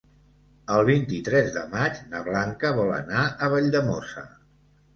El vint-i-tres de maig na Blanca vol anar a Valldemossa.